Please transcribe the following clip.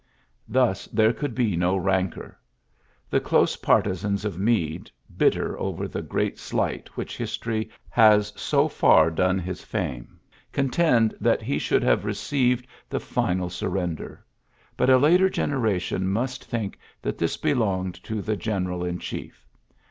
Thus there could be » rancour. The close partisans of Meade bitter over the great slight which histoid has so far done his fame, contend tha he should have received the final soi ULYSSES S. GEANT 119 render; but a later generation must think that this belonged to the general in chief.